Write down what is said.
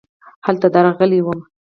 هلته درغلې وم .